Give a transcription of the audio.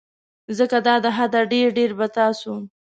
ځکه دا د حده ډیر ډیر به تاسو